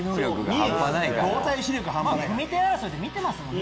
組手争いで見てますもんね